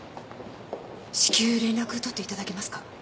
至急連絡取っていただけますか？